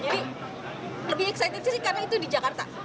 jadi lebih teruja sih karena itu di jakarta